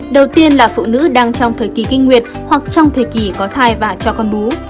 đầu tiên là phụ nữ đang trong thời kỳ kinh nguyệt hoặc trong thời kỳ có thai và cho con bú